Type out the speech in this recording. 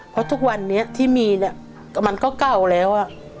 เพราะทุกวันนี้ที่มีเนี่ยมันก็เก่าแล้ว